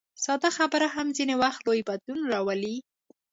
ساده خبره هم ځینې وخت لوی بدلون راولي.